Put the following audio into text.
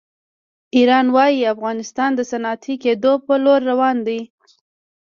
ایران وایي افغانستان د صنعتي کېدو په لور روان دی.